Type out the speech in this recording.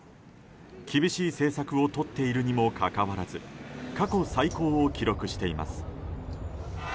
厳しい政策をとっているにもかかわらず過去最高を記録しています。